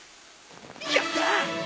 やった！